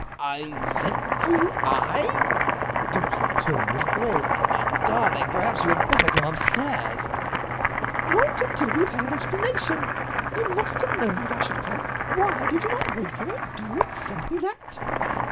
"I sent for you—I?" The duke's tone was grave. "My darling, perhaps you had better come upstairs." "Not until we have had an explanation. You must have known that I should come. Why did you not wait for me after you had sent me that?"